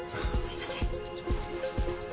すみません。